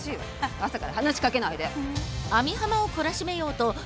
朝から話しかけないで。